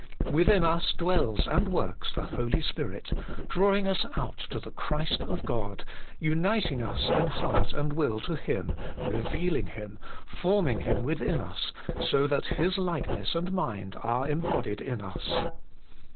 Within us dwells and works the Holy Spirit, drawing us out to the Christ of God, uniting us in heart and will to Him, revealing Him, forming Him within us, so that His likeness and mind are embodied in us.